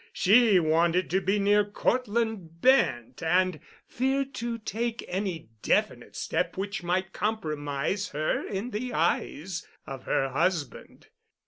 She wanted to be near Cortland Bent and feared to take any definite step which might compromise her in the eyes of her husband.